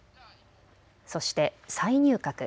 そして再入閣。